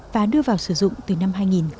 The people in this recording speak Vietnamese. và đưa vào sử dụng từ năm hai nghìn một mươi